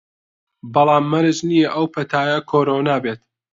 بەڵام مەرج نییە ئەو پەتایە کۆرۆنا بێت